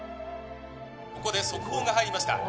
ここで速報が入りました